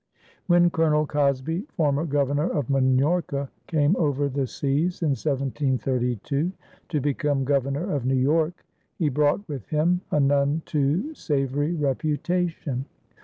When Colonel Cosby, former Governor of Minorca, came over the seas in 1732, to become Governor of New York, he brought with him a none too savory reputation.